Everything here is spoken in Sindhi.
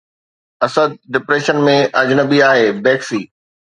اسد ڊپريشن ۾ اجنبي آهي، بيڪسي